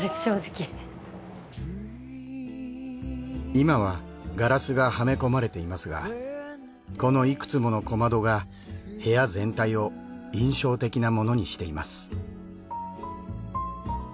今はガラスがはめ込まれていますがこのいくつもの小窓が部屋全体を印象的なものにしています。